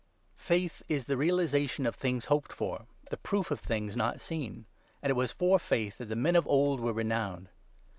Faith is the realization of things hoped for — the T"o* Faith!'' Pr°°f of things not seen. And it was for faith that the men of old were renowned.